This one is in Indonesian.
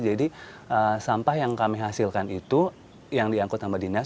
jadi sampah yang kami hasilkan itu yang diangkut sama dinas